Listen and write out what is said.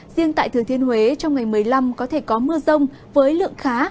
riêng tại thừa thiên huế trong ngày một mươi năm có thể có mưa rông với lượng khá